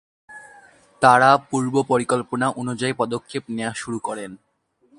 তারা পূর্ব পরিকল্পনা অনুযায়ী পদক্ষেপ নেয়া শুরু করেন।